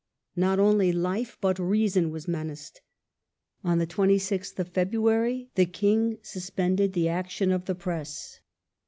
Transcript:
Not only life but reason was menaced. On the 26th of February the King suspended the action of the Press.